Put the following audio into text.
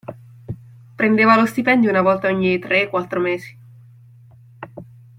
Prendeva lo stipendio una volta ogni tre, quattro mesi.